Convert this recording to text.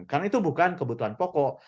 karena itu bukan kebutuhan pokok